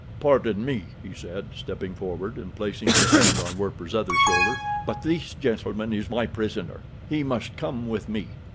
"Pardon me," he said, stepping forward and placing his hand on Werper's other shoulder; "but this gentleman is my prisoner. He must come with me."